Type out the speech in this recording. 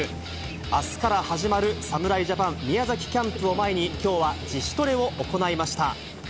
あすから始まる侍ジャパン宮崎キャンプを前に、きょうは自主トレを行いました。